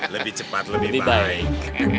lebih cepat lebih baik